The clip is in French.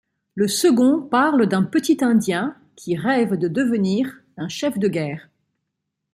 Le second parle d'un petit indien qui rêve de devenir un chef de guerre.